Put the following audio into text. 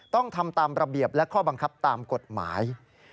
ต้องทำตามระเบียบและข้อบังคับตามกฎหมาย